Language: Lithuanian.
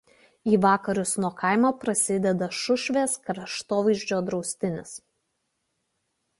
Į vakarus nuo kaimo prasideda Šušvės kraštovaizdžio draustinis.